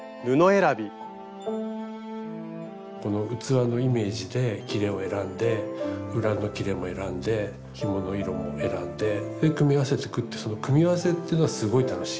この器のイメージできれを選んで裏のきれも選んでひもの色も選んで組み合わせてくっていうその組み合わせってのはすごい楽しい。